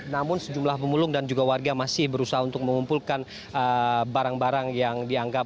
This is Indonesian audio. namun sejumlah pemulung dan juga warga masih berusaha untuk mengumpulkan barang barang yang dianggap